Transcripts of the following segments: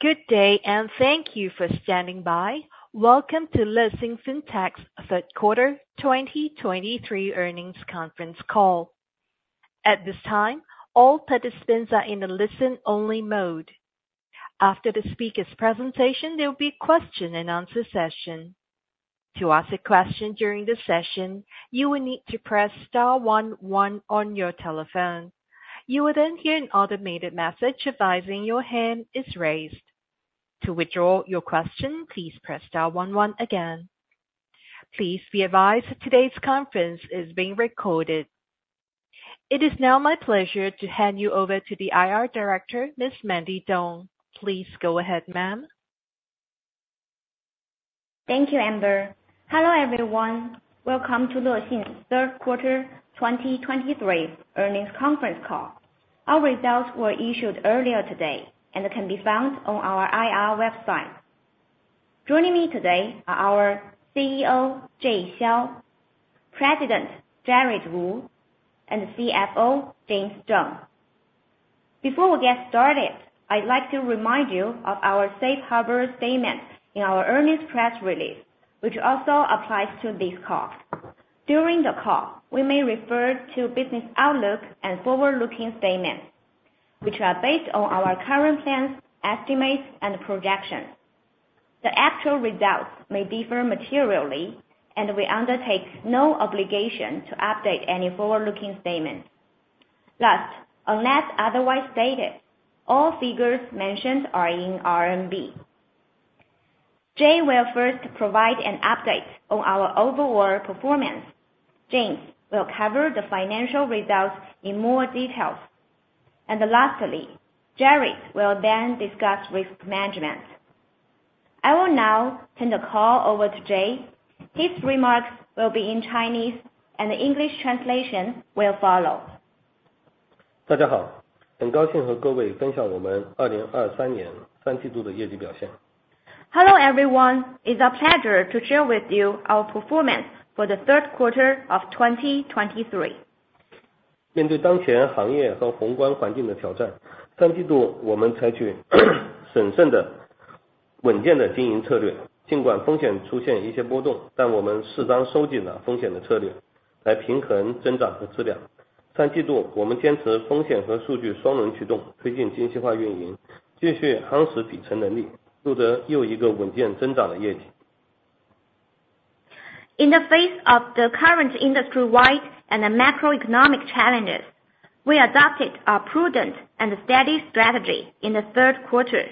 Good day, and thank you for standing by. Welcome to LexinFintech's third quarter 2023 earnings conference call. At this time, all participants are in a listen-only mode. After the speaker's presentation, there will be question and answer session. To ask a question during the session, you will need to press star one one on your telephone. You will then hear an automated message advising your hand is raised. To withdraw your question, please press star one one again. Please be advised, today's conference is being recorded. It is now my pleasure to hand you over to the IR director, Miss Mandy Dong. Please go ahead, ma'am. Thank you, Amber. Hello, everyone. Welcome to LexinFintech's third quarter 2023 earnings conference call. Our results were issued earlier today and can be found on our IR website. Joining me today are our CEO, Jay Xiao, President, Jared Wu, and CFO, James Zheng. Before we get started, I'd like to remind you of our safe harbor statement in our earnings press release, which also applies to this call. During the call, we may refer to business outlook and forward-looking statements, which are based on our current plans, estimates, and projections. The actual results may differ materially, and we undertake no obligation to update any forward-looking statements. Last, unless otherwise stated, all figures mentioned are in RMB. Jay will first provide an update on our overall performance. James will cover the financial results in more details. Lastly, Jared will then discuss risk management. I will now turn the call over to Jay. His remarks will be in Chinese, and the English translation will follow. Hello, everyone. It's our pleasure to share with you our performance for the third quarter of 2023. In the face of the current industry-wide and the macroeconomic challenges, we adopted a prudent and a steady strategy in the third quarter.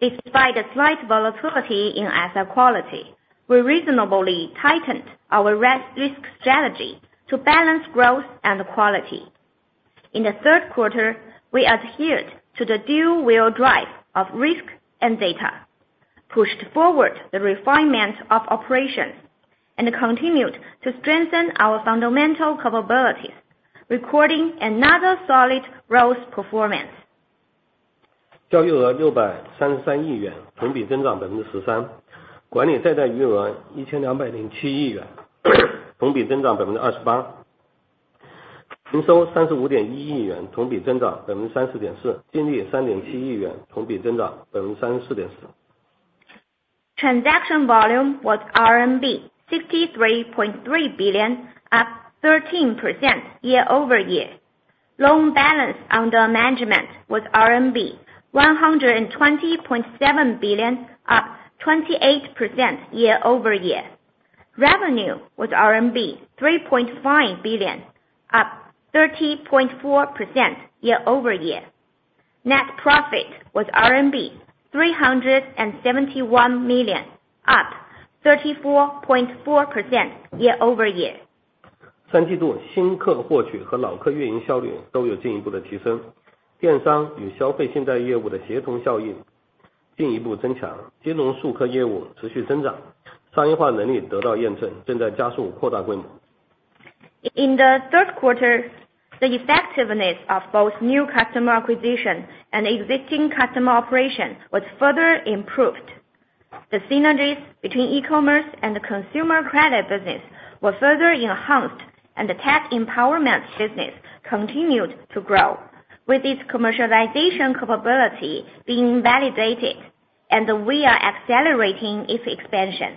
Despite a slight volatility in asset quality, we reasonably tightened our risk strategy to balance growth and quality. In the third quarter, we adhered to the dual wheel drive of risk and data, pushed forward the refinement of operation, and continued to strengthen our fundamental capabilities, recording another solid growth performance. Transaction volume was RMB 63.3 billion, up 13% year-over-year. Loan balance under management was RMB 120.7 billion, up 28% year-over-year. Revenue was RMB 3.5 billion, up 30.4% year-over-year. Net profit was RMB 371 million, up 34.4% year-over-year. In the third quarter, the effectiveness of both new customer acquisition and existing customer operation was further improved. The synergies between e-commerce and the consumer credit business were further enhanced, and the tech empowerment business continued to grow, with its commercialization capability being validated, and we are accelerating its expansion.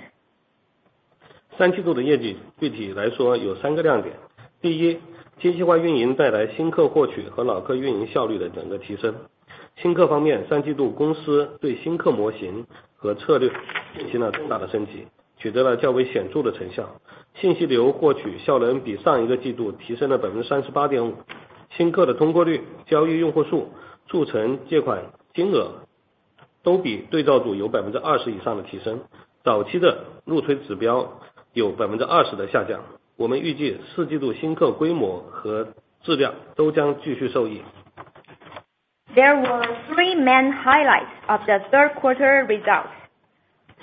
There were 3 main highlights of the third quarter results.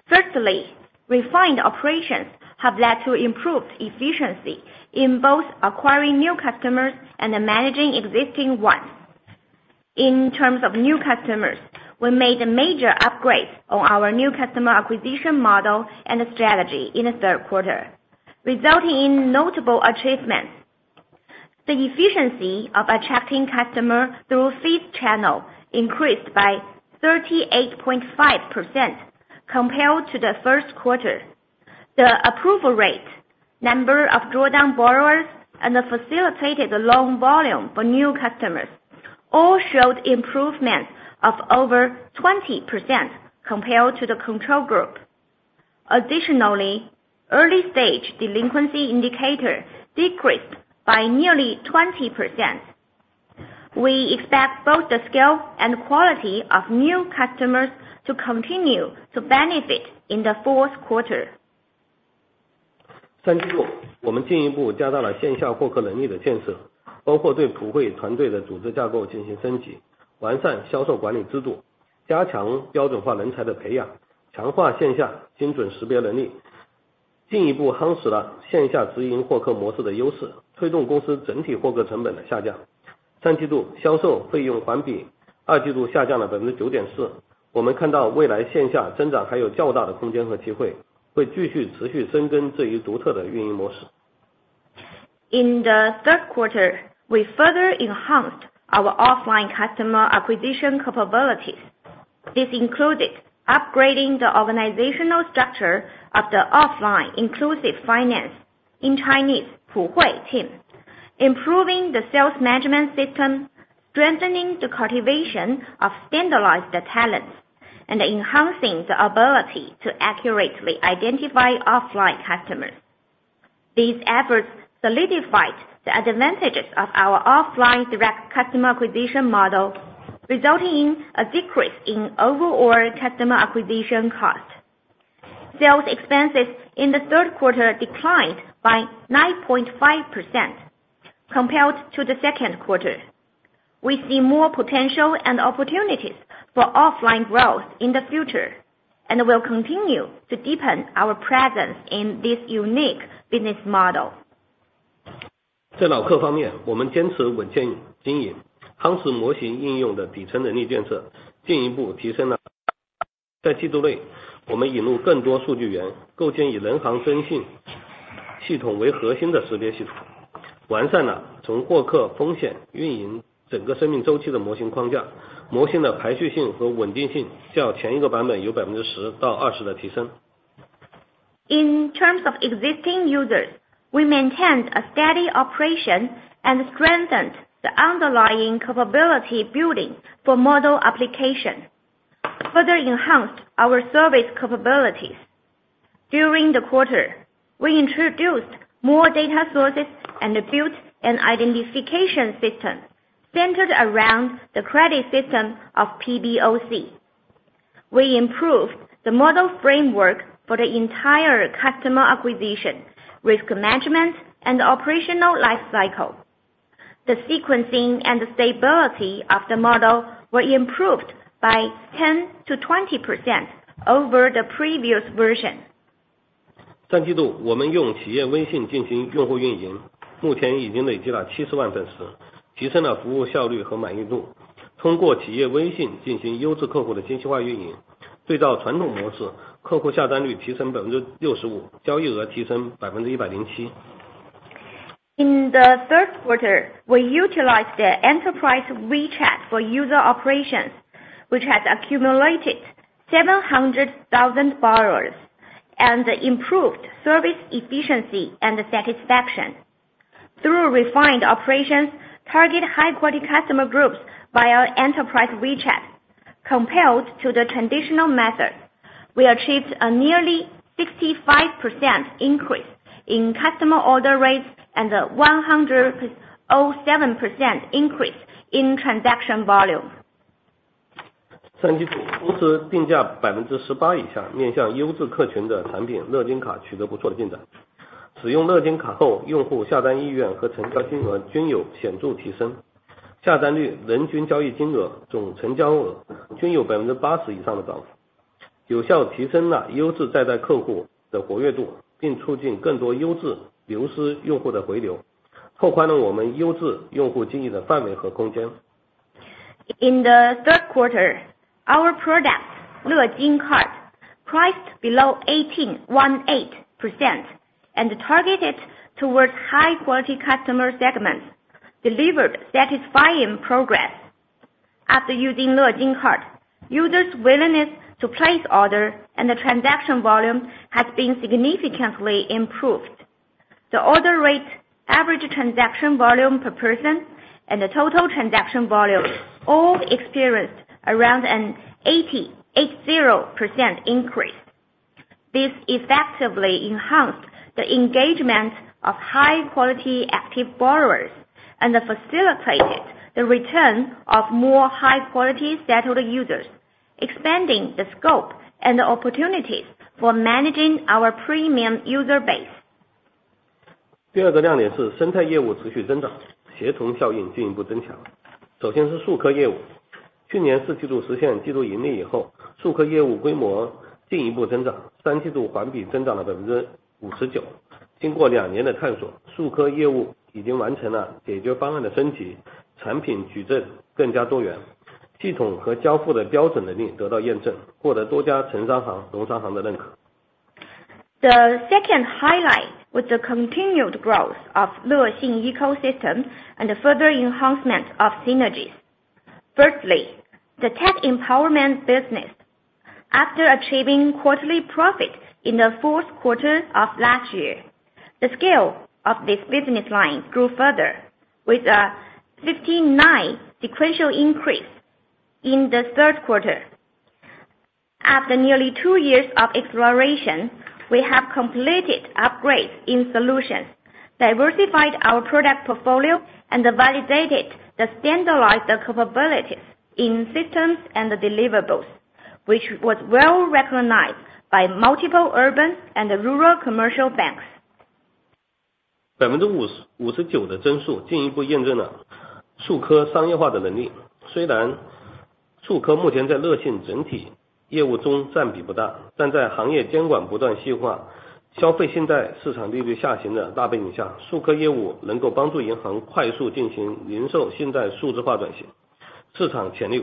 Firstly, refined operations have led to improved efficiency in both acquiring new customers and managing existing ones. In terms of new customers, we made major upgrades on our new customer acquisition model and the strategy in the third quarter, resulting in notable achievements. The efficiency of attracting customer through feed channel increased by 38.5% compared to the first quarter. The approval rate, number of drawdown borrowers, and the facilitated loan volume for new customers all showed improvement of over 20% compared to the control group. Additionally, early stage delinquency indicator decreased by nearly 20%. We expect both the scale and quality of new customers to continue to benefit in the fourth quarter. 第三季度，我们进一步加大了线下获客能力的建设，包括对普惠团队的组织架构进行升级，完善销售管理制度，加强标准化人才的培养，强化线下精准识别能力，进一步夯实了线下直营获客模式的优势，推动公司整体获客成本的下降。第三季度销售费用环比二季度下降了9.4%。我们看到未来线下增长还有较大的空间和机会，会继续持续深耕这一独特的运营模式。In the third quarter, we further enhanced our offline customer acquisition capabilities. This included upgrading the organizational structure of the offline inclusive finance (in Chinese, 普惠) team, improving the sales management system, strengthening the cultivation of standardized talents, and enhancing the ability to accurately identify offline customers. These efforts solidified the advantages of our offline direct customer acquisition model, resulting in a decrease in overall customer acquisition cost. Sales expenses in the third quarter declined by 9.5% compared to the second quarter. We see more potential and opportunities for offline growth in the future, and will continue to deepen our presence in this unique business model. 在老客方面，我们坚持稳健经营，夯实模型应用的底层能力建设，进一步提升了。在季度内，我们引入更多数据源，构建以人行征信系统为核心的识别系统，完善了从获客、风险运营整个生命周期的模型框架，模型的排序性和稳定性较前一个版本有10%-20%的提升。In terms of existing users, we maintained a steady operation and strengthened the underlying capability building for model application, further enhanced our service capabilities. During the quarter, we introduced more data sources and built an identification system centered around the credit system of PBOC. We improved the model framework for the entire customer acquisition, risk management, and operational life cycle. The sequencing and stability of the model were improved by 10%-20% over the previous version. 三季度，我们用企业微信进行用户运营，目前已经累计了70万粉丝，提升了服务效率和满意度。通过企业微信进行优质客户的精细化运营，对照传统模式，客户下单率提升65%，交易额提升107%。In the third quarter, we utilized the Enterprise WeChat for user operations, which has accumulated 700,000 borrowers, and improved service efficiency and satisfaction. Through refined operations, target high quality customer groups via Enterprise WeChat. Compared to the traditional method, we achieved a nearly 65% increase in customer order rates and a 107% increase in transaction volume. 第三季度，公司定价18%以下，面向优质客群的产品乐金卡取得不错的进展。使用乐金卡后，用户下单意愿和成交金额均有显著提升，下单率、人均交易金额、总成交额均有80%以上的涨幅，有效提升了优质在贷客户的活跃度，并促进更多优质流失用户的回流，拓宽了我们优质用户经营的范围和空间。In the third quarter, our product, Lejin Card, priced below 18%, and targeted towards high quality customer segments, delivered satisfying progress. After using Lejin Card, users' willingness to place order and the transaction volume has been significantly improved. The order rate, average transaction volume per person, and the total transaction volume all experienced around an 80% increase. This effectively enhanced the engagement of high quality active borrowers, and facilitated the return of more high quality settled users, expanding the scope and opportunities for managing our premium user base. 第二个亮点是生态业务持续增长，协同效应进一步增强。首先是数科业务。去年四季度实现季度盈利以后，数科业务规模进一步增长，三季度环比增长了59%。经过两年的探索，数科业务已经完成了解决方案的升级，产品矩阵更加多元，系统和交付的标准能力得到验证，获得多家城商行、农商行的认可。The second highlight was the continued growth of Lexin ecosystem and the further enhancement of synergies. Firstly, the tech empowerment business. After achieving quarterly profit in the fourth quarter of last year, the scale of this business line grew further, with a 59% sequential increase in the third quarter. After nearly two years of exploration, we have completed upgrades in solutions, diversified our product portfolio, and validated the standardized capabilities in systems and the deliverables, which was well recognized by multiple urban and rural commercial banks. The 59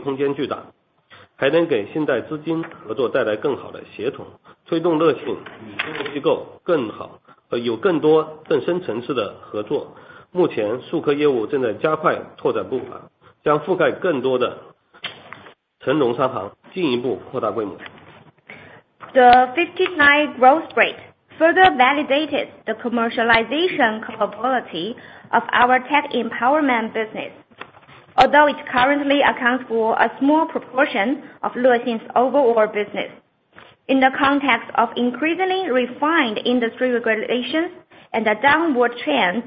growth rate further validated the commercialization capability of our tech empowerment business, although it currently accounts for a small proportion of Lexin's overall business. In the context of increasingly refined industry regulations and a downward trend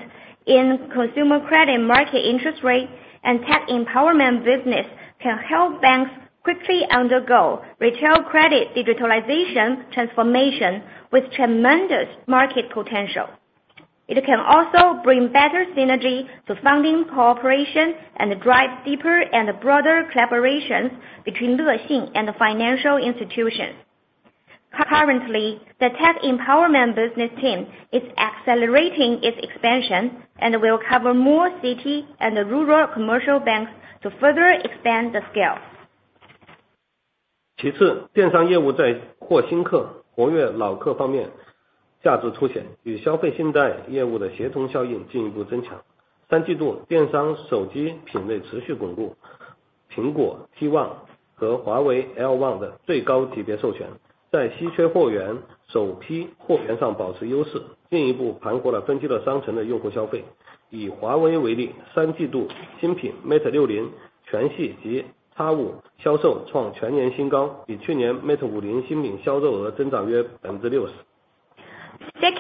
in consumer credit market interest rate, and tech empowerment business can help banks quickly undergo retail credit digitalization transformation with tremendous market potential. It can also bring better synergy to funding cooperation and drive deeper and broader collaborations between Lexin and the financial institutions. Currently, the tech empowerment business team is accelerating its expansion and will cover more cities and the rural commercial banks to further expand the scale.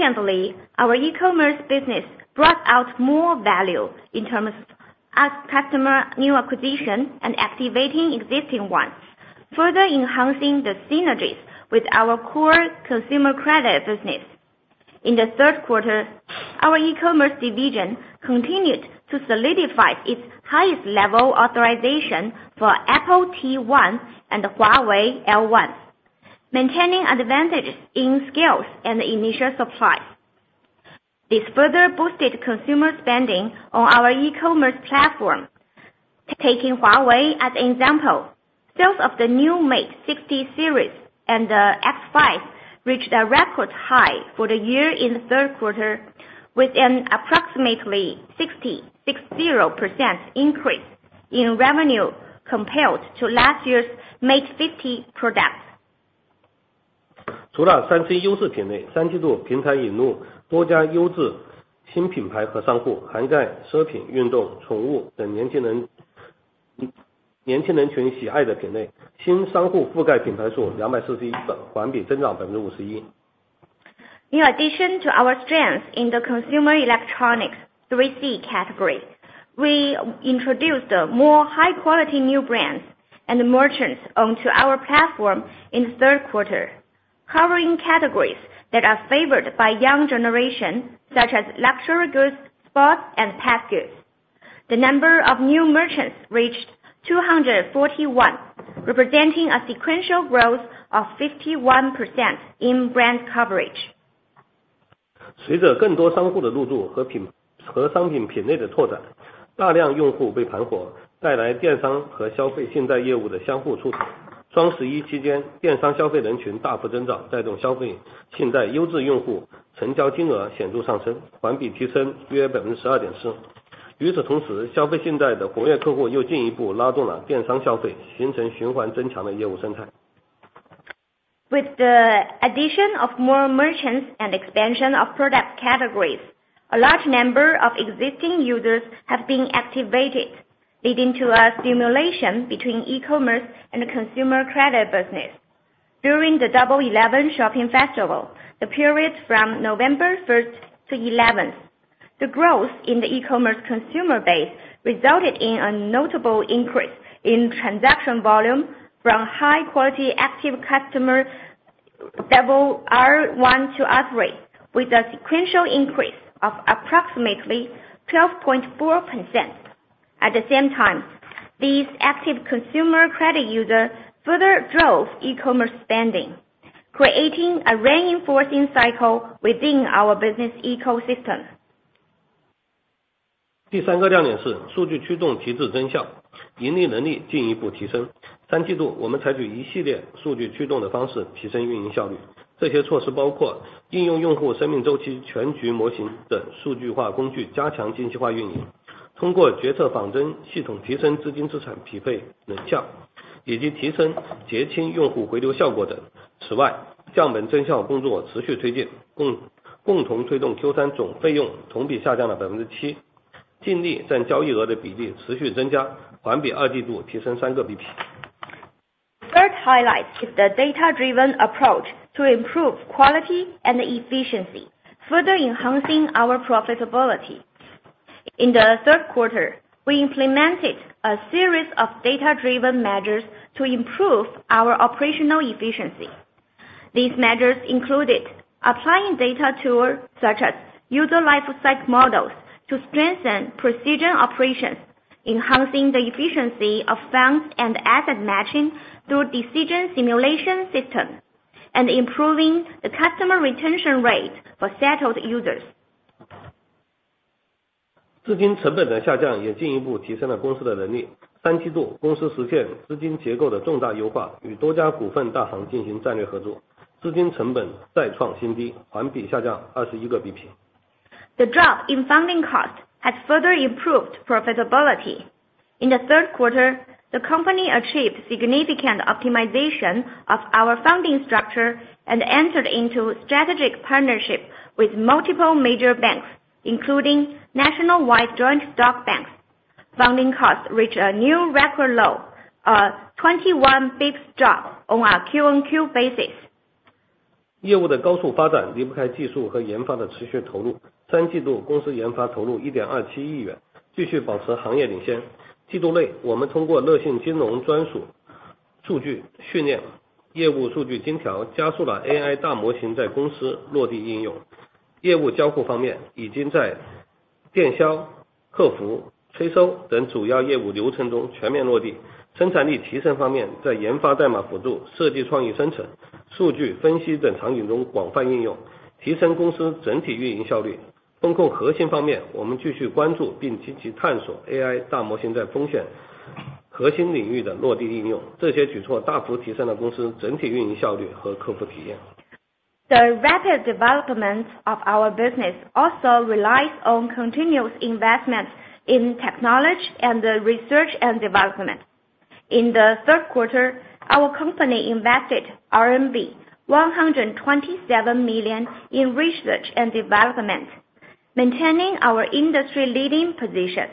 Secondly, our e-commerce business brought out more value in terms of customer new acquisition and activating existing ones, further enhancing the synergies with our core consumer credit business. In the third quarter, our e-commerce division continued to solidify its highest level authorization for Apple T1 and Huawei L1, maintaining advantages in scale and initial supply. This further boosted consumer spending on our e-commerce platform. Taking Huawei as an example, sales of the new Mate 60 series and the X5 reached a record high for the year in the third quarter, with an approximately 66.0% increase in revenue compared to last year's Mate 50 products. In addition to our strength in the consumer electronics 3C categories, we introduced more high-quality new brands and merchants onto our platform in the third quarter, covering categories that are favored by young generation, such as luxury goods, sports, and pet goods. The number of new merchants reached 241, representing a sequential growth of 51% in brand coverage. With the addition of more merchants and expansion of product categories, a large number of existing users have been activated, leading to a stimulation between e-commerce and consumer credit business. During the Double Eleven Shopping Festival, the period from November 1st to 11th, the growth in the e-commerce consumer base resulted in a notable increase in transaction volume from high-quality active customer level R1 to R3, with a sequential increase of approximately 12.4%. At the same time, these active consumer credit users further drove e-commerce spending, creating a reinforcing cycle within our business ecosystem. 第三个亮点是数据驱动提质增效，盈利能力进一步提升。三季度，我们采取一系列数据驱动的方式提升运营效率，这些措施包括应用用户生命周期全局模型等数据化工具，加强精细化运营。通过决策仿真系统提升资金资产匹配效率，以及提升结清用户回流效果等。此外，降本增效工作持续推进，共同推动Q3总费用同比下降了7%，净利占交易额的比例持续增加，环比二季度提升三个BP。Third highlight is the data driven approach to improve quality and efficiency, further enhancing our profitability. In the third quarter, we implemented a series of data driven measures to improve our operational efficiency. These measures included applying data tools such as user lifecycle models to strengthen precision operations, enhancing the efficiency of banks and asset matching through decision simulation systems, and improving the customer retention rate for settled users. 资金成本的下降也进一步提升了公司的能力。三季度，公司实现资金结构的重大优化，与多家股份大行进行战略合作，资金成本再创新低，环比下降21个BP。The drop in funding costs has further improved profitability. In the third quarter, the company achieved significant optimization of our funding structure and entered into strategic partnership with multiple major banks, including nationwide joint stock banks. Funding costs reach a new record low of 21 basis points drop on our Q-on-Q basis. The high-speed development of the business cannot do without the continuous investment in technology and R&D. In the third quarter, the company's R&D investment was CNY 127 million, continuing to maintain industry leadership. Within the quarter, we accelerated the landing and application of the AI large model in the company through Lexin financial exclusive data training and business data fine-tuning. In terms of business interaction, it has already been fully implemented in major business processes such as telesales, customer service, and collections. In terms of productivity improvement, it is widely applied in scenarios such as R&D code assistance, design creative generation, and data analysis, improving the company's overall operational efficiency. In terms of risk control core, we continue to focus on and actively explore the landing and application of the AI large model in the risk core field. These measures have significantly improved the company's overall operational efficiency and customer experience. The rapid development of our business also relies on continuous investment in technology and research and development. In the third quarter, our company invested RMB 127 million in research and development, maintaining our industry leading position.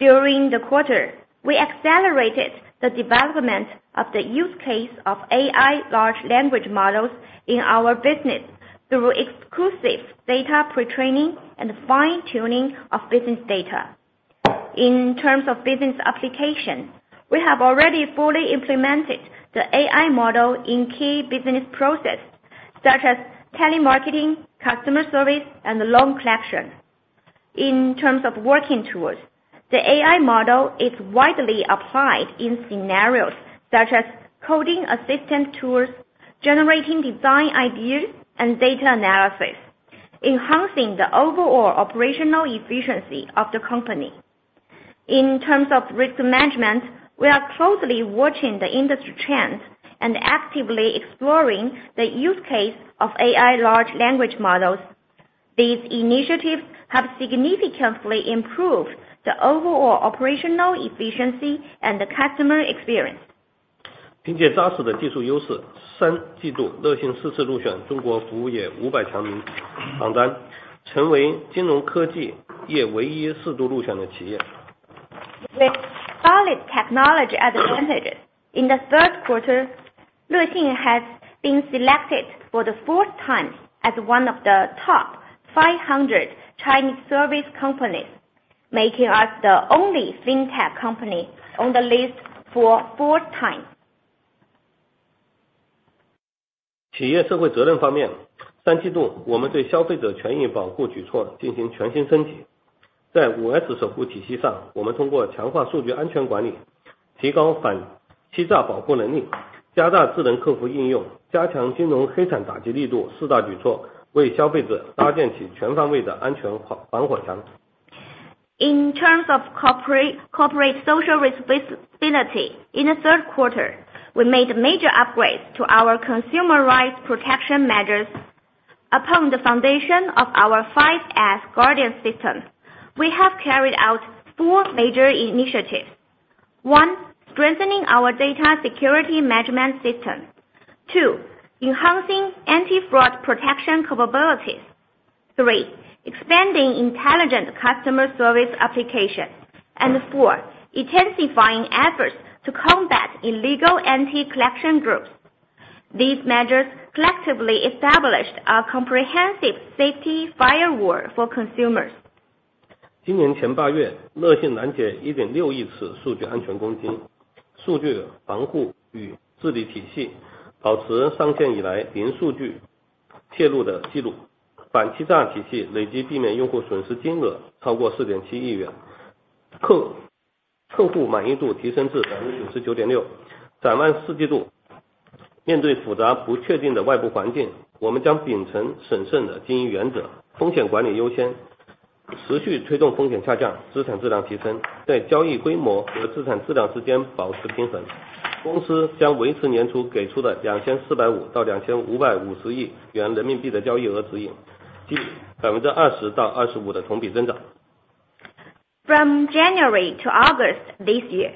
During the quarter, we accelerated the development of the use case of AI large language models in our business through exclusive data pre-training and fine tuning of business data. In terms of business application, we have already fully implemented the AI model in key business processes such as telemarketing, customer service, and loan collection. In terms of working towards, the AI model is widely applied in scenarios such as coding, assistant tools, generating design ideas, and data analysis, enhancing the overall operational efficiency of the company. In terms of risk management, we are closely watching the industry trends and actively exploring the use case of AI large language models. These initiatives have significantly improved the overall operational efficiency and the customer experience. 凭借扎实的技术优势，第三季度乐信四次入选中国服务业五百强名单榜单，成为金融科技业唯一四度入选的企业。With solid technology advantages. In the third quarter, Lexin has been selected for the fourth time as one of the top 500 Chinese service companies, making us the only Fintech company on the list for fourth time. 企业社会责任方面，三季度我们对消费者权益保护举措进行全新升级。在5S守护体系上，我们通过强化数据安全管理，提高反欺诈保护能力，加大智能客服应用，加强金融黑产打击力度四大举措，为消费者搭建起全方位的安全防火墙。In terms of corporate, corporate social responsibility. In the third quarter, we made major upgrades to our consumer rights protection measures upon the foundation of our 5S Guardian System. We have carried out four major initiatives: One, strengthening our data security management system. Two, enhancing anti-fraud protection capabilities. Three, expanding intelligent customer service application. And four, intensifying efforts to combat illegal anti-collection groups. These measures collectively established a comprehensive safety firewall for consumers. This year, in the first eight months, Lexin intercepted 160 million data security attacks. The data protection and governance system maintained a record of zero data leaks since going online. The anti-fraud system cumulatively avoided user loss amounts exceeding RMB 470 million. Customer satisfaction rose to 99.6%. Looking forward to the fourth quarter. 面对复杂不确定的外部环境，我们将秉承审慎的经营原则，风险管理优先，持续推动风险下降，资产质量提升，在交易规模和资产质量之间保持平衡。公司将维持年初给出的RMB 2,450-2,550亿元的交易额指引，即20%-25%的同比增长。From January to August this year,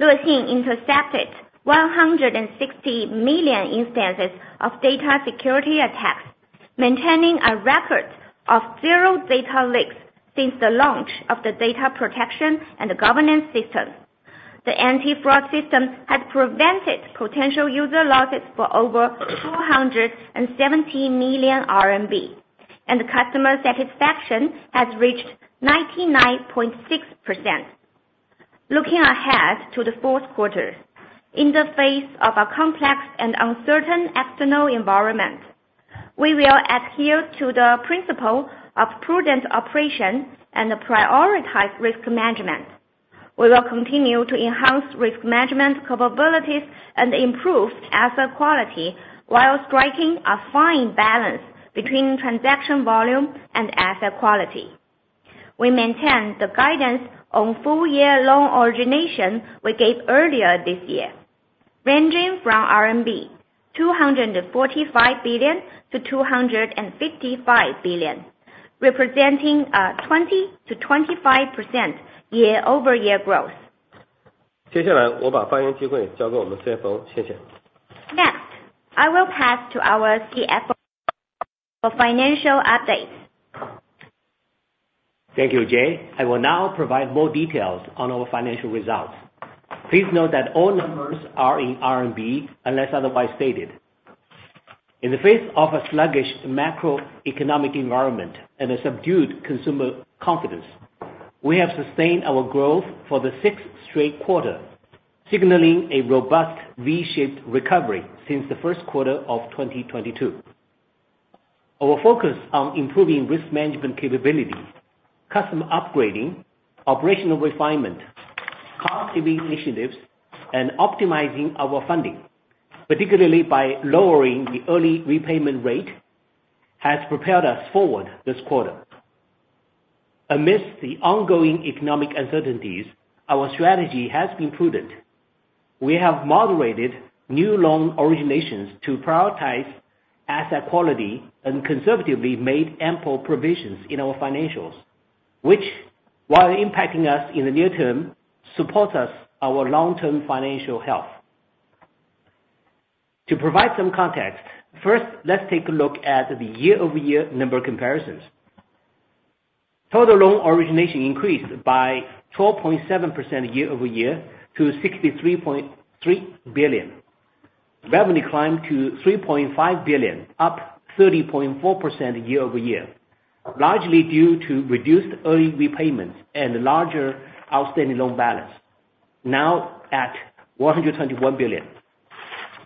Lexin intercepted 160 million instances of data security attacks, maintaining a record of zero data leaks since the launch of the data protection and governance system. The anti-fraud system has prevented potential user losses for over 270 million RMB, and the customer satisfaction has reached 99.6%. Looking ahead to the fourth quarter, in the face of a complex and uncertain external environment, we will adhere to the principle of prudent operation and prioritize risk management. We will continue to enhance risk management capabilities and improve asset quality, while striking a fine balance between transaction volume and asset quality. We maintain the guidance on full year loan origination we gave earlier this year, ranging from 245 billion-255 billion RMB, representing 20%-25% year-over-year growth. 接下来，我把发言机会交给我们CFO，谢谢。Next, I will pass to our CFO for financial updates. Thank you, Jay. I will now provide more details on our financial results. Please note that all numbers are in RMB, unless otherwise stated. In the face of a sluggish macroeconomic environment and a subdued consumer confidence, we have sustained our growth for the sixth straight quarter, signaling a robust V-shaped recovery since the first quarter of 2022. Our focus on improving risk management capabilities, customer upgrading, operational refinement, cost-saving initiatives, and optimizing our funding, particularly by lowering the early repayment rate, has propelled us forward this quarter. Amidst the ongoing economic uncertainties, our strategy has been prudent. We have moderated new loan originations to prioritize asset quality and conservatively made ample provisions in our financials, which, while impacting us in the near term, supports our long-term financial health. To provide some context, first, let's take a look at the year-over-year number comparisons. Total loan origination increased by 12.7% year-over-year to 63.3 billion. Revenue climbed to 3.5 billion, up 30.4% year-over-year, largely due to reduced early repayments and larger outstanding loan balance, now at 121 billion.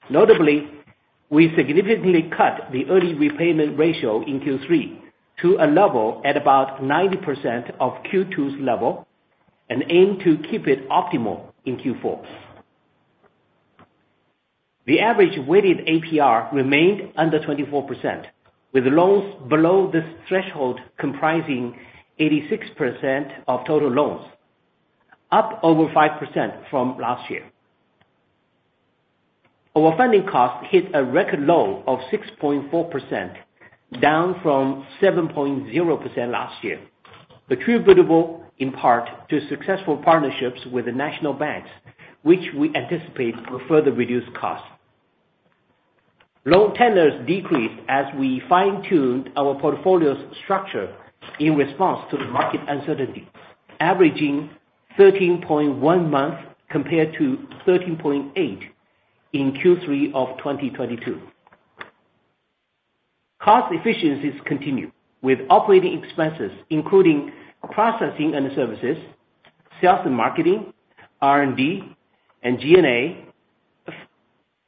Notably, we significantly cut the early repayment ratio in Q3 to a level at about 90% of Q2's level, and aim to keep it optimal in Q4. The average weighted APR remained under 24%, with loans below this threshold comprising 86% of total loans, up over 5% from last year. Our funding cost hit a record low of 6.4%, down from 7.0% last year, attributable in part to successful partnerships with the national banks, which we anticipate will further reduce costs. Loan tenors decreased as we fine-tuned our portfolio's structure in response to the market uncertainty, averaging 13.1 month, compared to 13.8 in Q3 of 2022. Cost efficiencies continue, with operating expenses, including processing and services, sales and marketing, R&D, and G&A,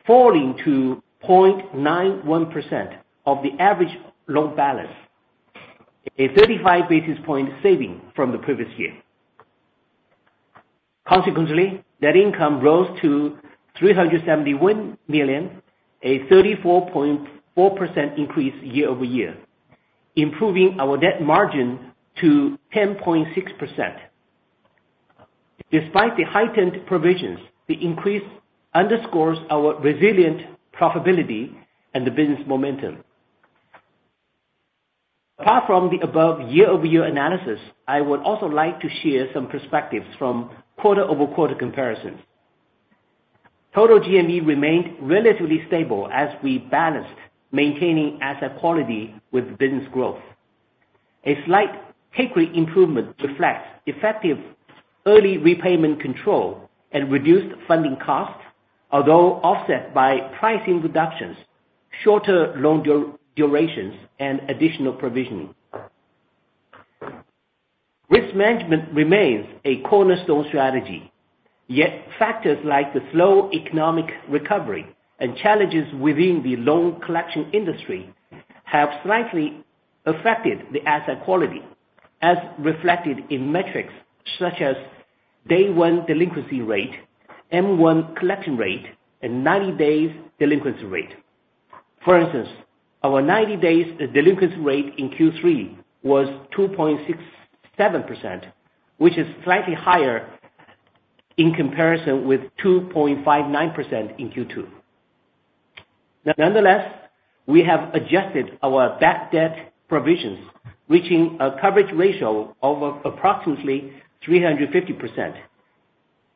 falling to 0.91% of the average loan balance, a 35 basis point saving from the previous year. Consequently, net income rose to 371 million, a 34.4% increase year-over-year, improving our net margin to 10.6%. Despite the heightened provisions, the increase underscores our resilient profitability and the business momentum. Apart from the above year-over-year analysis, I would also like to share some perspectives from quarter-over-quarter comparisons. Total G&A remained relatively stable as we balanced maintaining asset quality with business growth. A slight takeaway improvement reflects effective early repayment control and reduced funding costs, although offset by pricing reductions, shorter loan durations, and additional provisioning. Risk management remains a cornerstone strategy, yet factors like the slow economic recovery and challenges within the loan collection industry have slightly affected the asset quality, as reflected in metrics such as Day One Delinquency Rate, M1 Collection Rate, and Ninety Days Delinquency Rate. For instance, our Ninety Days Delinquency Rate in Q3 was 2.67%, which is slightly higher in comparison with 2.59% in Q2. Nonetheless, we have adjusted our bad debt provisions, reaching a coverage ratio of approximately 350%,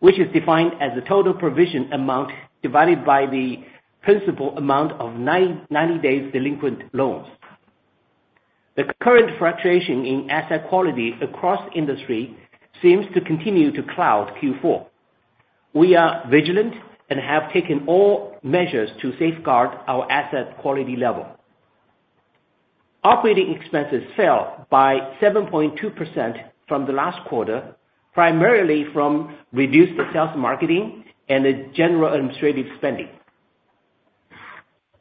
which is defined as the total provision amount divided by the principal amount of ninety days delinquent loans. The current fluctuation in asset quality across industry seems to continue to cloud Q4. We are vigilant and have taken all measures to safeguard our asset quality level. Operating expenses fell by 7.2% from the last quarter, primarily from reduced sales marketing and the general administrative spending.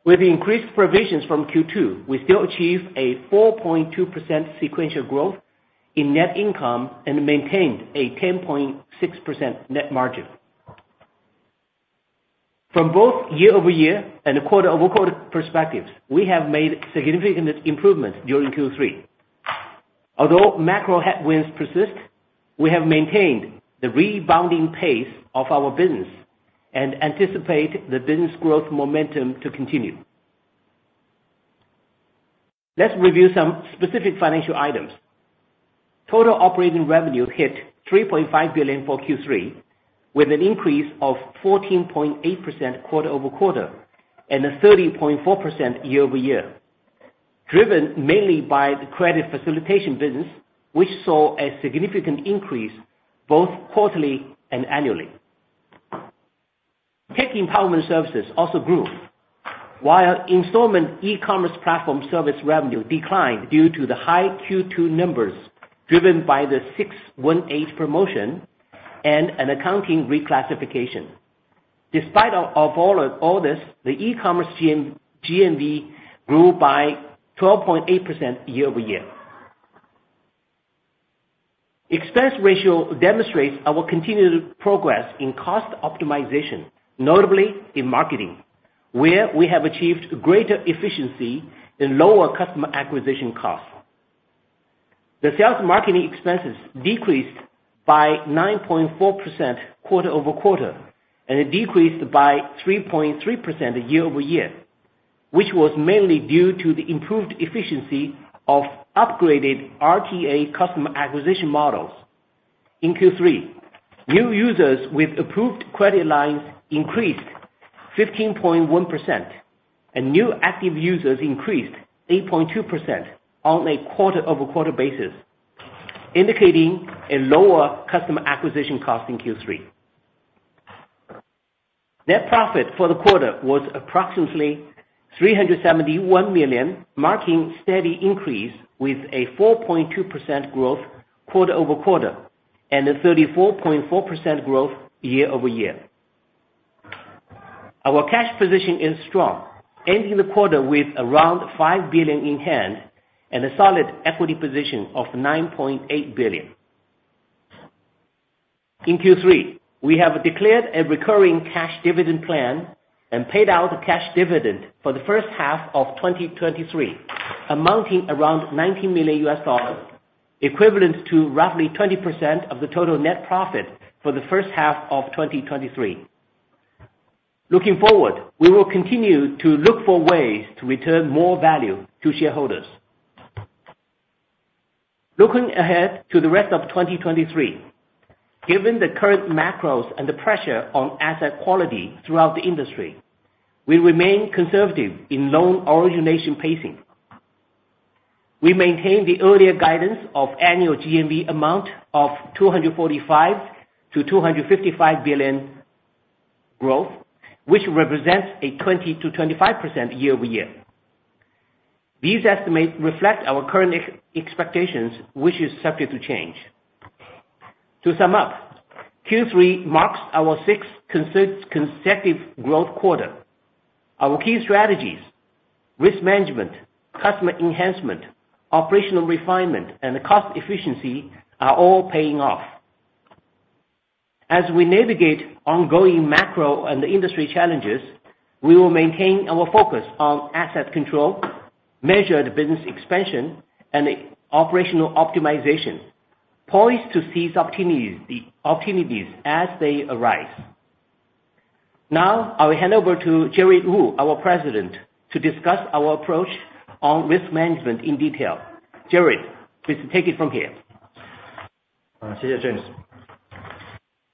With increased provisions from Q2, we still achieved a 4.2% sequential growth in net income and maintained a 10.6% net margin. From both year-over-year and quarter-over-quarter perspectives, we have made significant improvement during Q3. Although macro headwinds persist, we have maintained the rebounding pace of our business and anticipate the business growth momentum to continue. Let's review some specific financial items. Total operating revenue hit 3.5 billion for Q3, with an increase of 14.8% quarter-over-quarter and a 30.4% year-over-year, driven mainly by the credit facilitation business, which saw a significant increase both quarterly and annually. Tech empowerment services also grew, while installment e-commerce platform service revenue declined due to the high Q2 numbers, driven by the 618 promotion and an accounting reclassification. Despite of this, the e-commerce GMV grew by 12.8% year-over-year. Expense ratio demonstrates our continued progress in cost optimization, notably in marketing, where we have achieved greater efficiency and lower customer acquisition costs. The sales marketing expenses decreased by 9.4% quarter-over-quarter, and it decreased by 3.3% year-over-year, which was mainly due to the improved efficiency of upgraded RTA customer acquisition models. In Q3, new users with approved credit lines increased 15.1%, and new active users increased 8.2% on a quarter-over-quarter basis, indicating a lower customer acquisition cost in Q3. Net profit for the quarter was approximately 371 million, marking steady increase with a 4.2% growth quarter-over-quarter and a 34.4% growth year-over-year. Our cash position is strong, ending the quarter with around 5 billion in hand and a solid equity position of 9.8 billion. In Q3, we have declared a recurring cash dividend plan and paid out a cash dividend for the first half of 2023, amounting around $90 million, equivalent to roughly 20% of the total net profit for the first half of 2023. Looking forward, we will continue to look for ways to return more value to shareholders. Looking ahead to the rest of 2023, given the current macros and the pressure on asset quality throughout the industry, we remain conservative in loan origination pacing. We maintain the earlier guidance of annual GMV amount of 245 billion-255 billion growth, which represents a 20%-25% year-over-year. These estimates reflect our current expectations, which is subject to change. To sum up, Q3 marks our sixth consecutive growth quarter. Our key strategies, risk management, customer enhancement, operational refinement, and cost efficiency, are all paying off. As we navigate ongoing macro and industry challenges, we will maintain our focus on asset control, measured business expansion, and operational optimization, poised to seize opportunities, opportunities as they arise. Now, I will hand over to Jared Wu, our President, to discuss our approach on risk management in detail. Jared, please take it from here. Thank you, James. ...因此，我们采取了更加谨慎稳健的风险策略来应对环境的变化。同时，在催收环节，我们成功，通过扩大了内催的人力规模，发挥内催M1到M3的回款优势，提高人工处理案件占比等措施来平稳资产回收效率。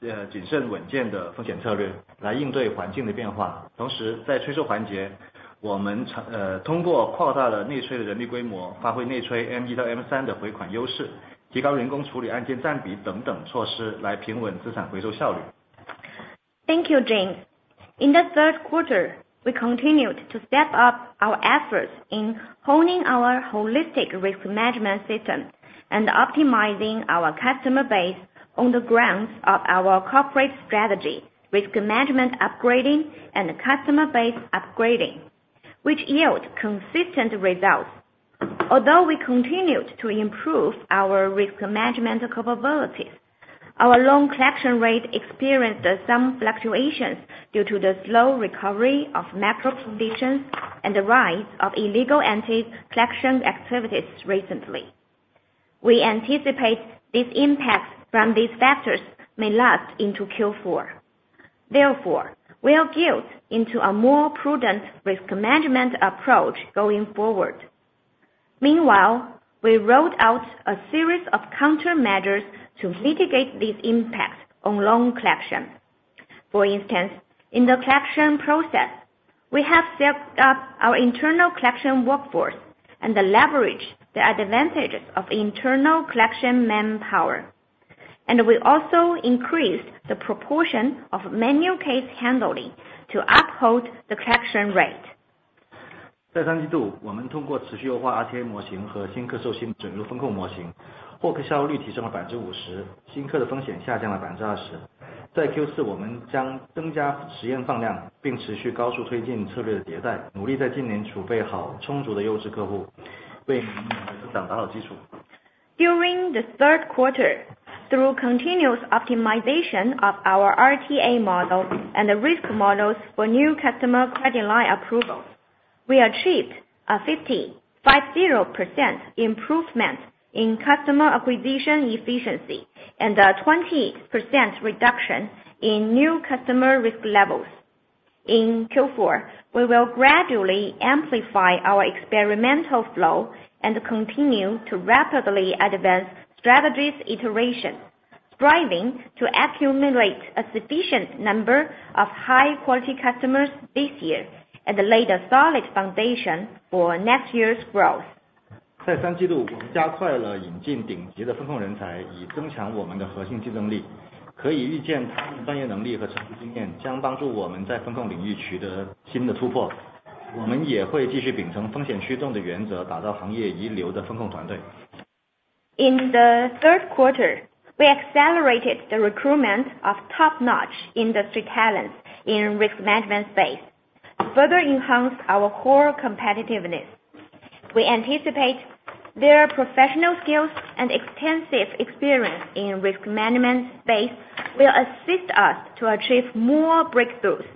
Thank you, James. In the third quarter, we continued to step up our efforts in honing our holistic risk management system and optimizing our customer base on the grounds of our corporate strategy, risk management upgrading and customer base upgrading, which yield consistent results. Although we continued to improve our risk management capabilities, our loan collection rate experienced some fluctuations due to the slow recovery of macro conditions and the rise of illegal anti-collection activities recently. We anticipate this impact from these factors may last into Q4. Therefore, we are built into a more prudent risk management approach going forward. Meanwhile, we rolled out a series of countermeasures to mitigate these impacts on loan collection. For instance, in the collection process, we have stepped up our internal collection workforce and leverage the advantages of internal collection manpower, and we also increased the proportion of manual case handling to uphold the collection rate. 在三季度，我们通过持续优化RTA模型和新客授信准入风控模型，获客效率提升了50%，新客的风险下降了20%。在Q4，我们将增加实验放量，并持续高速推进策略的迭代，努力在今年储备好充足的优质客户，为明年的增长打好基础。During the third quarter, through continuous optimization of our RTA model and the risk models for new customer credit line approval, we achieved a 55% improvement in customer acquisition efficiency and a 20% reduction in new customer risk levels. In Q4, we will gradually amplify our experimental flow and continue to rapidly advance strategies iteration, striving to accumulate a sufficient number of high quality customers this year, and lay the solid foundation for next year's growth. 在三季度，我们加快了引进顶级的风控人才，以增强我们的核心竞争力，可以预见，他们的专业能力和成熟经验将帮助我们在风控领域取得新的突破。我们也会继续秉承风险驱动的原则，打造行业一流的风控团队。In the third quarter, we accelerated the recruitment of top-notch industry talents in risk management space, to further enhance our core competitiveness. We anticipate their professional skills and extensive experience in risk management space will assist us to achieve more breakthroughs.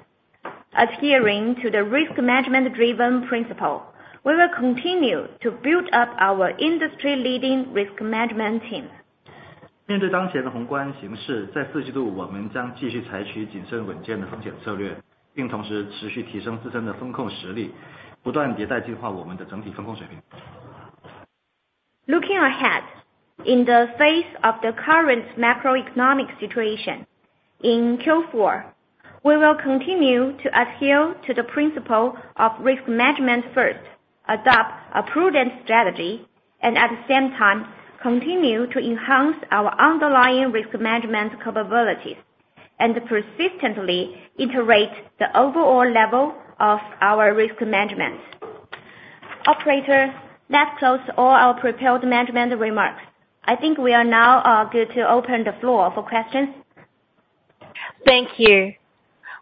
Adhering to the risk management driven principle, we will continue to build up our industry leading risk management team. 面对当前的宏观形势，在四季度我们将继续采取谨慎稳健的风险策略，并同时持续提升自身的风控实力，不断迭代进化我们的整体风控水平。Looking ahead, in the face of the current macroeconomic situation, in Q4, we will continue to adhere to the principle of risk management first, adopt a prudent strategy, and at the same time continue to enhance our underlying risk management capabilities and persistently iterate the overall level of our risk management. Operator, that concludes all our prepared management remarks. I think we are now good to open the floor for questions. Thank you.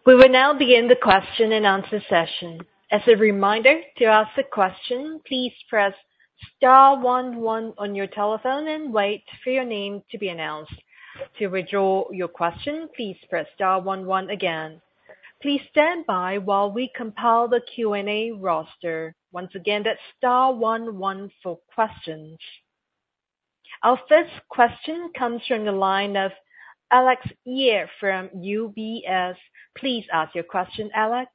We will now begin the question-and-answer session. As a reminder, to ask a question, please press star one one on your telephone and wait for your name to be announced. To withdraw your question, please press star one one again. Please stand by while we compile the Q&A roster. Once again, that's star one one for questions. Our first question comes from the line of Alex Ye from UBS. Please ask your question, Alex.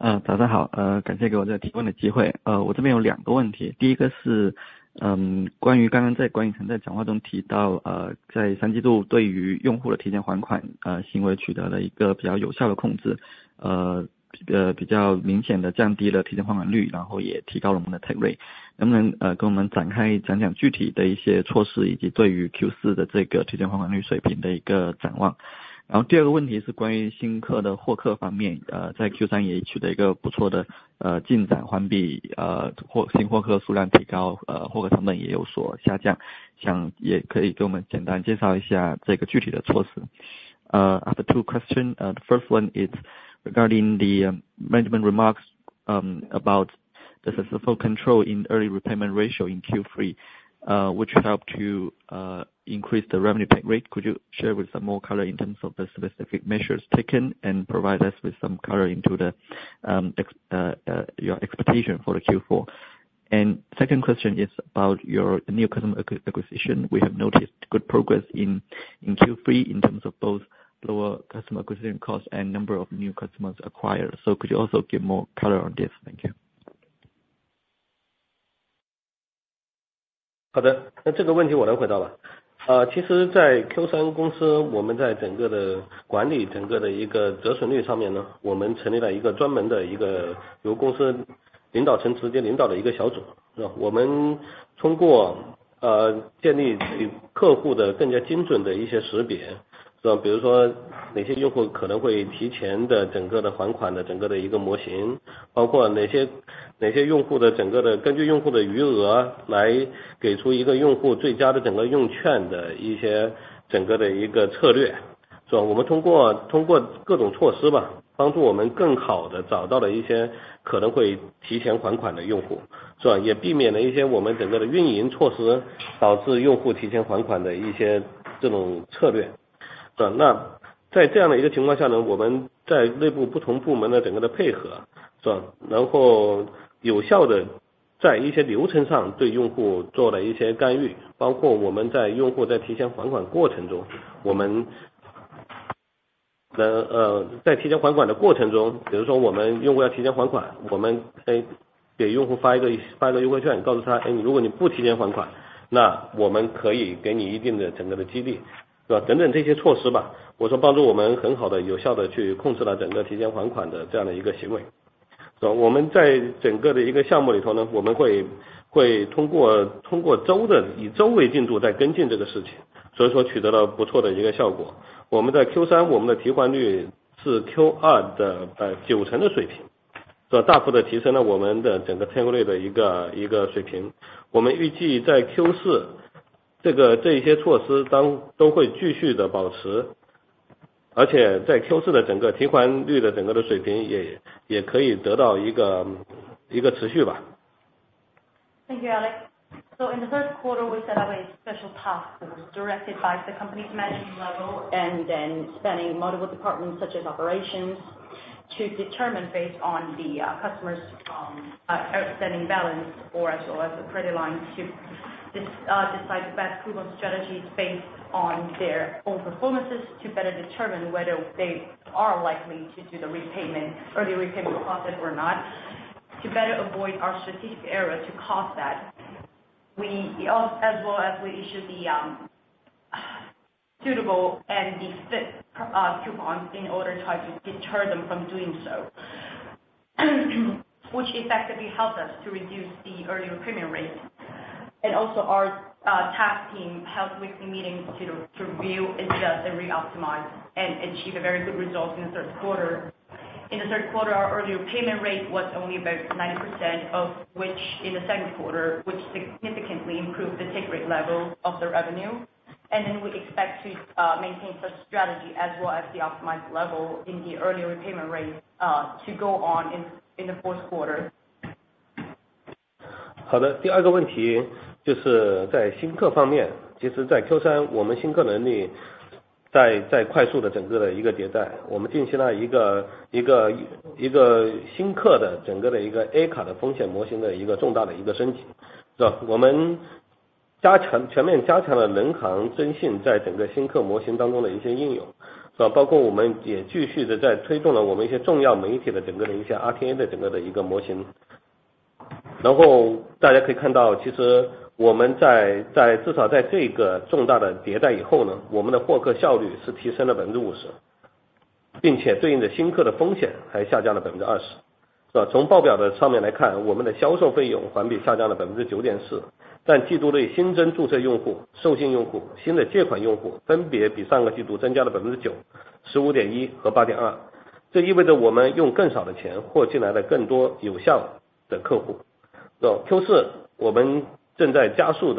大家好，感谢给我这个提问的机会。我这边有两个问题，第一个是，关于刚刚在管理层讲话中提到，在三季度对于用户的提前还款，行为取得了一个比较有效的控制，这个比较明显地降低了提前还款率，然后也提高了我们的 take rate。能不能，给我展开讲讲具体的一些措施，以及对于 Q4 的这个提前还款率水平的一个展望。然后第二个问题是关于新客的获客方面，在 Q3 也取得一个不错的，进展，环比，新获客数量提高，获客成本也有所下降，想也可以给我们简单介绍一下这个具体的措施。I have two questions, the first one is regarding the management remarks about the successful control in early repayment ratio in Q3, which helped to increase the revenue take rate. Could you share with some more color in terms of the specific measures taken and provide us with some color into the, ex, your expectation for the Q4? Second question is about your new customer acquisition. We have noticed good progress in Q3 in terms of both lower customer acquisition costs and number of new customers acquired. Could you also give more color on this? Thank you. Thank you, Alex. So in the first quarter, we set up a special task force directed by the company's managing level, and then spanning multiple departments such as operations, to determine based on the customer's outstanding balance or as well as the credit line, to decide the best coupon strategies based on their own performances, to better determine whether they are likely to do the repayment or the repayment process or not. To better avoid our strategic error to cause that we as well as we should be suitable and be fit coupons in order to try to deter them from doing so. Which effectively helps us to reduce the early repayment rate. And also our task team helps with the meeting to review, adjust, and re-optimize and achieve a very good result in the third quarter. In the third quarter, our early repayment rate was only about 90% of which in the second quarter, which significantly improved the take rate level of the revenue. And then we expect to maintain such strategy as well as the optimized level in the early repayment rate to go on in the fourth quarter. Okay, so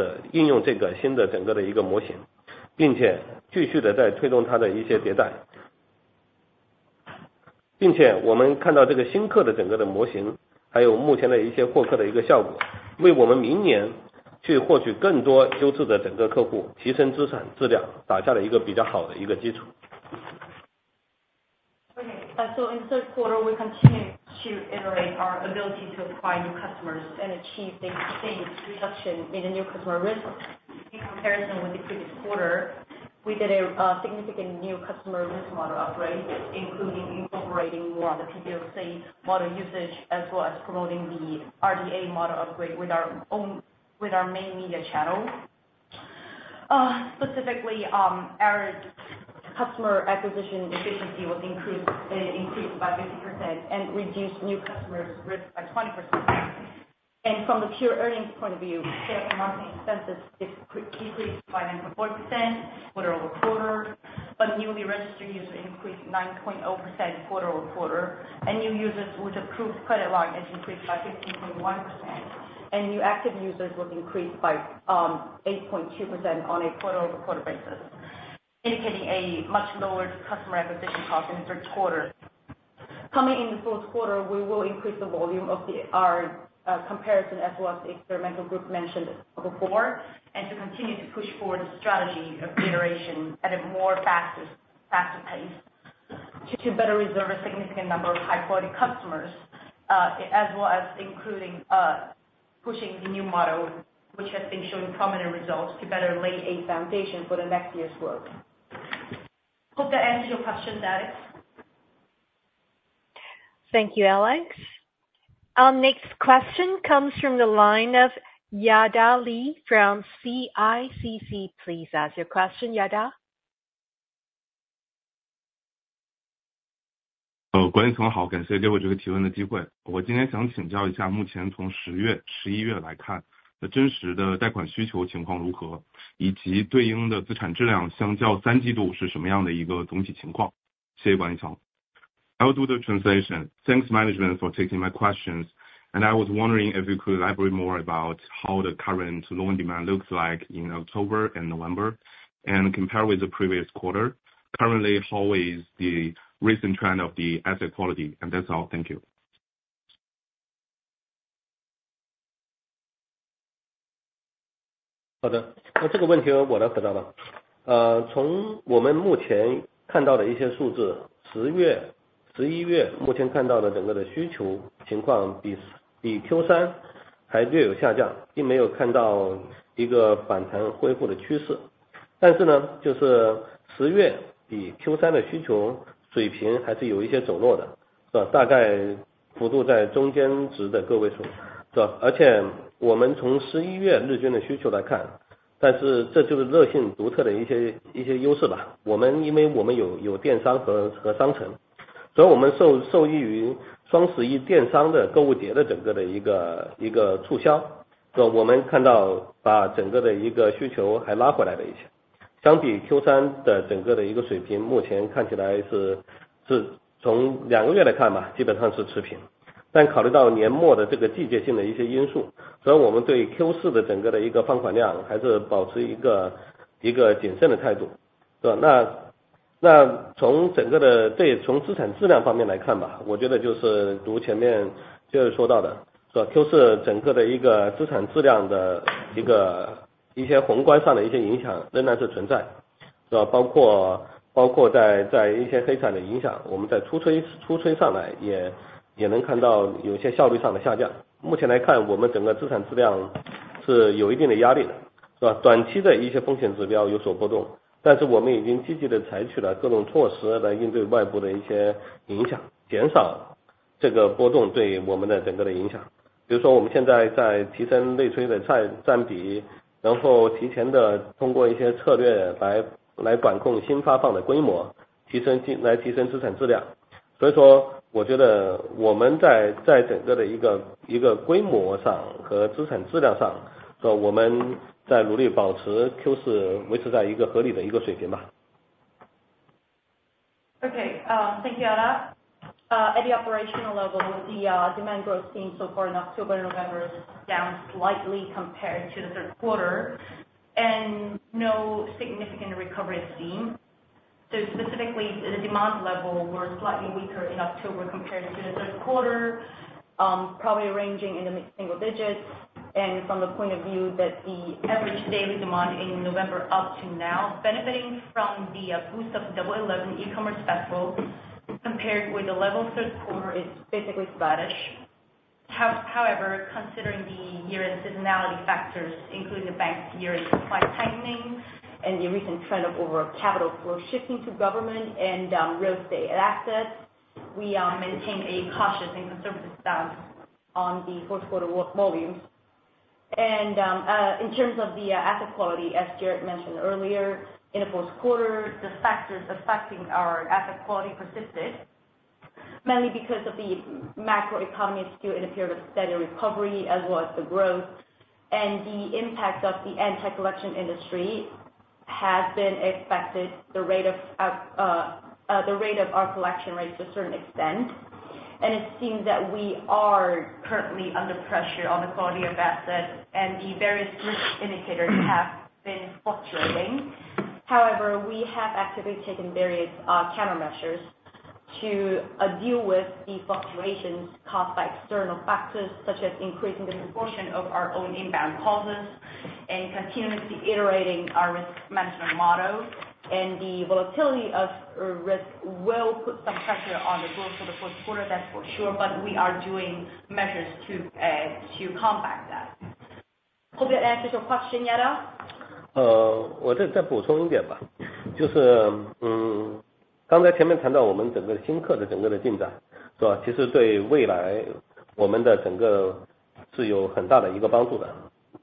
in third quarter, we continue to iterate our ability to acquire new customers and achieve the same reduction in the new customer risk. In comparison with the previous quarter, we did a significant new customer risk model upgrade, including incorporating more the PBOC model usage, as well as promoting the RTA model upgrade with our own, with our main media channels. Specifically, our customer acquisition efficiency was increased, increased by 50% and reduced new customers risk by 20%. And from the pure earnings point of view, the marketing expenses decreased by 9.4% quarter-over-quarter, but newly registered user increased 9.0% quarter-over-quarter, and new users with approved credit line has increased by 15.1%, and new active users was increased by, 8.2% on a quarter-over-quarter basis, indicating a much lower customer acquisition cost in third quarter. Coming in the fourth quarter, we will increase the volume of the our, comparison as well as the experimental group mentioned before, and to continue to push forward the strategy of iteration at a more faster, faster pace. To better reserve a significant number of high quality customers, as well as including pushing the new model, which has been showing prominent results to better lay a foundation for the next year's work. Hope that answers your question, Alex Thank you, Alex. Our next question comes from the line of Yada Li from CICC. Please ask your question, Yada. Good evening. Hello. Thanks for taking my question. I would like to ask, from October to November, what is the real loan demand like, and what is the corresponding asset quality compared to the third quarter? Thank you. I will do the translation. Thanks, management, for taking my questions. I was wondering if you could elaborate more about how the current loan demand looks like in October and November, and compare with the previous quarter. Currently, how is the recent trend of the asset quality? And that's all. Thank you. Okay. So I will answer this question. From what we have seen so far, the demand for October and November is slightly down compared to Q3, and there is no sign of a recovery. But the demand for October is still higher than Q3, about probably in the middle digits. And from the daily demand in November, but looking at the unique advantages of Lexin, because we have e-commerce and shopping centers, so we benefit from the Double Eleven e-commerce shopping festival promotion. So we saw that the overall demand came back a little bit. Compared to the overall level of Q3, it seems to be flat for two months. But considering the seasonal factors at the end of the year, we are still cautious about the overall loan volume for Q4. So from the perspective of asset quality, I think as mentioned earlier, the overall impact of Q4 on asset quality is still there. Including the impact of some bad debts. We can also see some decline in efficiency in our initial loans. Currently, our overall asset quality is under certain pressure, right? Some short-term risk indicators fluctuate, but we have actively taken various measures to deal with some external impacts and reduce the impact on our overall. For example, we are now increasing the proportion of internal collection, and then 提前 through some strategies to control the scale of new loans and improve asset quality. So I think we are trying our best to maintain Q4 at a reasonable level in terms of overall scale and asset quality. Okay, thank you, Yada. At the operational level, the demand growth seen so far in October and November is down slightly compared to the third quarter, and no significant recovery is seen. So specifically, the demand level were slightly weaker in October compared to the third quarter, probably ranging in the mid-single digits. From the point of view that the average daily demand in November up to now, benefiting from the boost of Double Eleven e-commerce festival, compared with the level of third quarter, is basically flattish. However, considering the year-end seasonality factors, including the bank's year-end supply tightening and the recent trend of over capital flow shifting to government and real estate assets, we maintain a cautious and conservative stance on the fourth quarter work volume. In terms of the asset quality, as Jared mentioned earlier, in the fourth quarter, the factors affecting our asset quality persisted, mainly because of the macroeconomy is still in a period of steady recovery, as well as the growth and the impact of the anti-collection industry has been affected the rate of our collection rates to a certain extent. It seems that we are currently under pressure on the quality of assets, and the various risk indicators have been fluctuating. However, we have actively taken various countermeasures to deal with the fluctuations caused by external factors, such as increasing the proportion of our own inbound calls and continuously iterating our risk management models. The volatility of risk will put some pressure on the growth for the fourth quarter, that's for sure, but we are doing measures to combat that. Hope that answers your question, Yada. Let me add one more point. As mentioned earlier, our progress in new customer acquisition is actually very helpful for our future overall.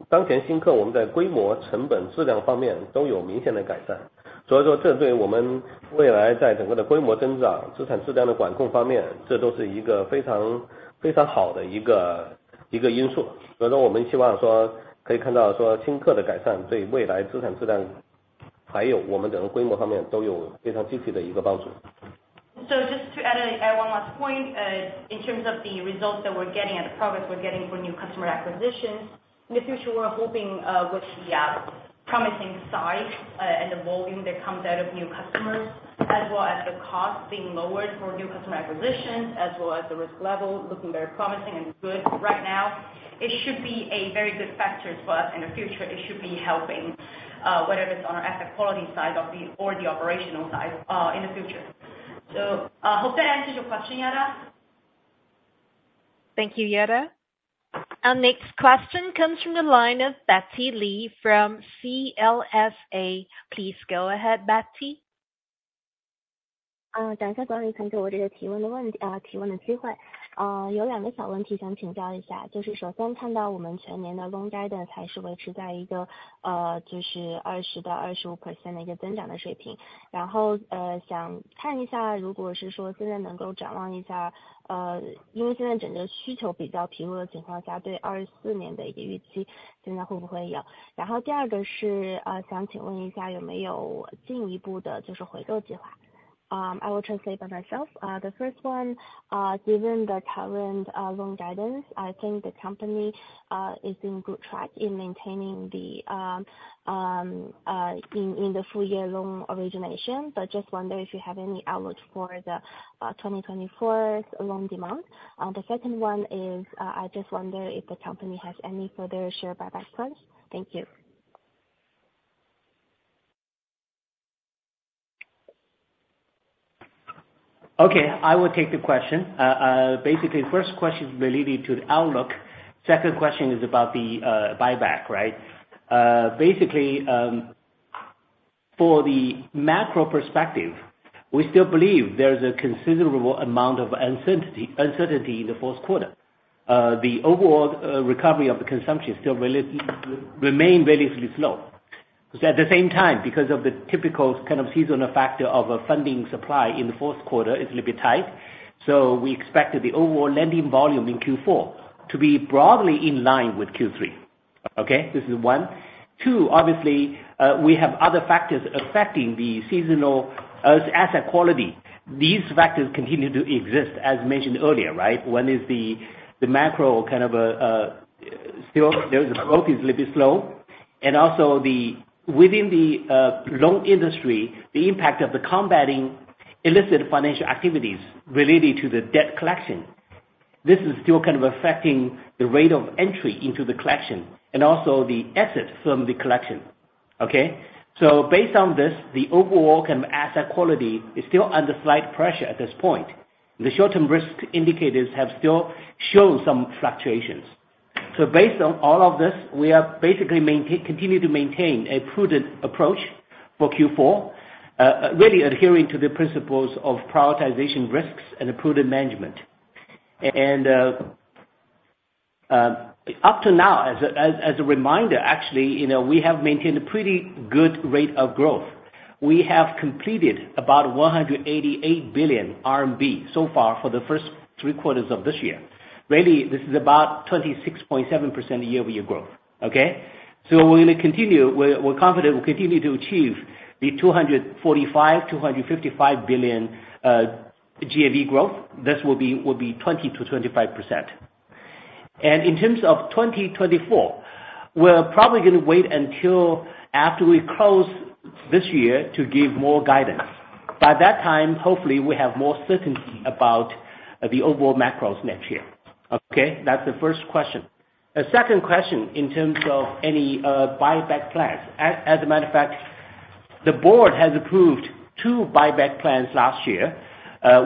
Currently, our new customers have obvious improvements in terms of scale, cost, and quality. So this is a very, very good factor for our future overall scale growth and asset quality control. So we hope to see that the improvement of new customers has a very positive impact on our future asset quality and overall scale. So just to add one last point, in terms of the results that we're getting and the progress we're getting for new customer acquisition, in the future, we're hoping, with the promising size and the volume that comes out of new customers, as well as the cost being lower-acquisition as well as the risk level, looking very promising and good right now. It should be a very good factor for us in the future. It should be helping, whether it's on our asset quality side of the or the operational side, in the future. So, hope that answers your question, Yada. Thank you, Yada. Our next question comes from the line of Betty Lee from CLSA. Please go ahead, Betty. I will translate by myself. The first one, given the current loan guidance, I think the company is in good track in maintaining the full year loan origination. But just wonder if you have any outlook for the 2024 loan demand. The second one is, I just wonder if the company has any further share buyback plans. Thank you. Okay, I will take the question. Basically, first question related to the outlook. Second question is about the buyback, right? Basically, for the macro perspective, we still believe there is a considerable amount of uncertainty in the fourth quarter. The overall recovery of the consumption still remain relatively slow. But at the same time, because of the typical kind of seasonal factor of a funding supply in the fourth quarter is a little bit tight, so we expect that the overall lending volume in Q4 to be broadly in line with Q3. Okay, this is one. Two, obviously, we have other factors affecting the seasonal asset quality. These factors continue to exist, as mentioned earlier, right? One is the macro kind of still growth is a little bit slow, and also within the loan industry, the impact of combating illicit financial activities related to the debt collection. This is still kind of affecting the rate of entry into the collection and also the exit from the collection. Okay? So based on this, the overall kind of asset quality is still under slight pressure at this point. The short-term risk indicators have still shown some fluctuations. So based on all of this, we are basically continue to maintain a prudent approach for Q4, really adhering to the principles of prioritization risks and a prudent management. And up to now, as a reminder, actually, you know, we have maintained a pretty good rate of growth. We have completed about 188 billion RMB so far for the first three quarters of this year. Really, this is about 26.7% year-over-year growth. Okay? So we're gonna continue—we're confident we'll continue to achieve the 245 billion-255 billion GMV growth. This will be 20%-25%. And in terms of 2024, we're probably gonna wait until after we close this year to give more guidance. By that time, hopefully, we have more certainty about the overall macros next year. Okay? That's the first question. The second question, in terms of any buyback plans. As a matter of fact, the board has approved two buyback plans last year.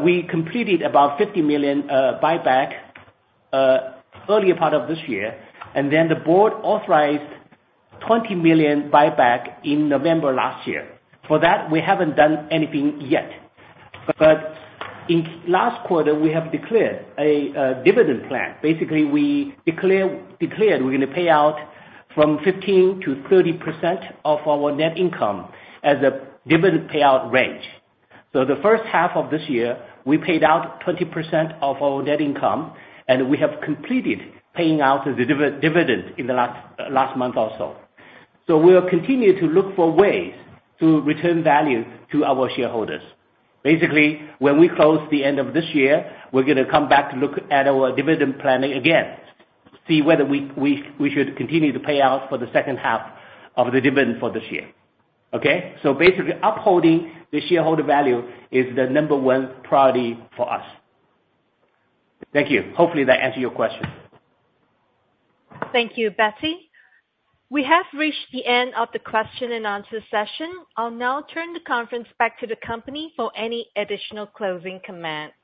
We completed about $50 million buyback earlier part of this year, and then the board authorized $20 million buyback in November last year. For that, we haven't done anything yet. But in last quarter, we have declared a dividend plan. Basically, we declared we're gonna pay out from 15%-30% of our net income as a dividend payout range. So the first half of this year, we paid out 20% of our net income, and we have completed paying out the dividend in the last month or so. So we'll continue to look for ways to return value to our shareholders. Basically, when we close the end of this year, we're gonna come back to look at our dividend planning again, see whether we should continue to pay out for the second half of the dividend for this year. Okay? So basically, upholding the shareholder value is the number one priority for us. Thank you. Hopefully, that answers your question. Thank you, Betty. We have reached the end of the question and answer session. I'll now turn the conference back to the company for any additional closing comments.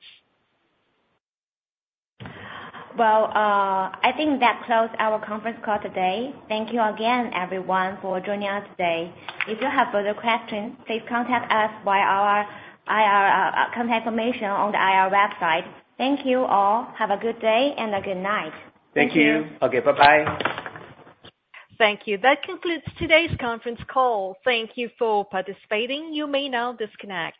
Well, I think that close our conference call today. Thank you again, everyone, for joining us today. If you have further questions, please contact us via our IR contact information on the IR website. Thank you all. Have a good day and a good night. Thank you. Thank you. Okay, bye-bye. Thank you. That concludes today's conference call. Thank you for participating. You may now disconnect.